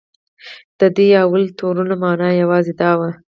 د دې لومړیو تورونو معنی یوازې دا وه.